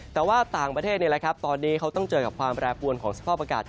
แต่ว่าต่างประเทศตอนนี้เขาต้องเจอกับความแปรปวนของสภาพอากาศ